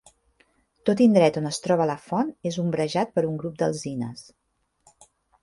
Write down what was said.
Tot indret on es troba la font és ombrejat per un grup d'alzines.